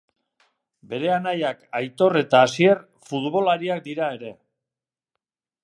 Bere anaiak Aitor eta Asier futbolariak dira ere.